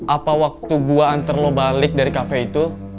apa waktu bua anter lo balik dari cafe itu